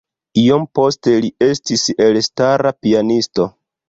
Iom poste li estis elstara pianisto.